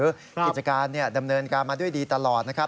คิจการเนี่ยดำเนินคำมาด้วยดีตลอดนะครับ